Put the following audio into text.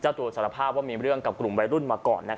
ตัวสารภาพว่ามีเรื่องกับกลุ่มวัยรุ่นมาก่อน